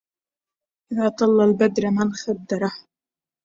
إذا أطل البدر من خدره